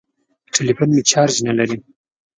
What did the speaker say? ټليفون مې چارچ نه لري.